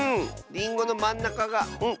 りんごのまんなかが「ん」